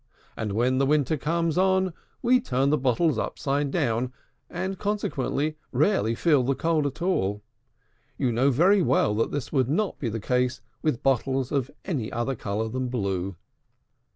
And, when the winter comes on, we turn the bottles upside down, and consequently rarely feel the cold at all; and you know very well that this could not be the case with bottles of any other color than blue."